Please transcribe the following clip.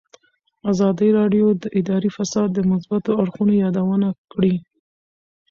ازادي راډیو د اداري فساد د مثبتو اړخونو یادونه کړې.